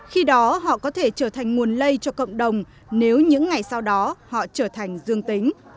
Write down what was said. khi đó họ có thể trở thành nguồn lây cho cộng đồng nếu những ngày sau đó họ trở thành dương tính